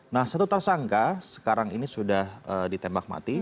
nah satu tersangka sekarang ini sudah ditembak mati